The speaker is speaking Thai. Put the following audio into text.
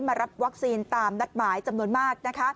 มารับวัคซีนตามนัดหมายจำนวนมาก